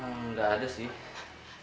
gak ada sih